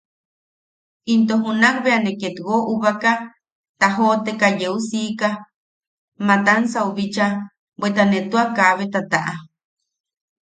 Into junak bea ne ketwo ubaka, tajooteka yeu siika Matansau bicha, bweta ne tua kabeta taʼa.